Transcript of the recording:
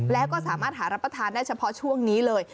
แล้วก็สามารถหารับประทานได้เฉพาะช่วงนี้เลย